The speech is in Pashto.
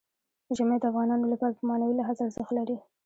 ژمی د افغانانو لپاره په معنوي لحاظ ارزښت لري.